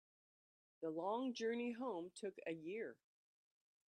The long journey home took a year.